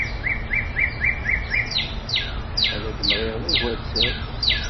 Ad d-mɣiɣ d agersal.